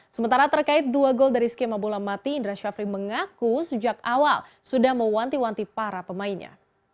sementara terkait dua gol dari skema bola mati indra syafri mengaku sejak awal sudah mewanti wanti para pemainnya